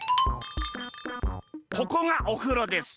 ここがおふろです。